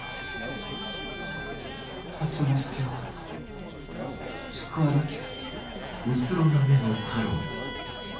初之助を救わなきゃ。